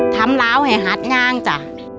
ทำร้าวให้หัดงางจ้ะ